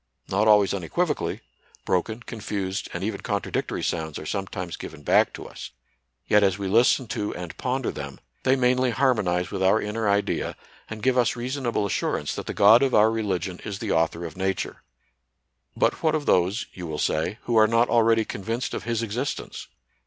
Not always unequivo cally : broken, confused, and even contradictory sounds are sometimes given back to us ; yet as NATURAL SCIENCE AND RELIGION. 85 we listen to and ponder them, they mainly har monize with our inner idea, and give us reason able assurance that the God of our religion is the author of Nature. But what of those — you will say — who are not already convinced of His existence